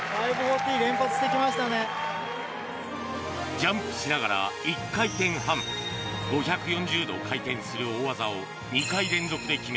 ジャンプしながら１回転半５４０度回転する大技を２回連続で決め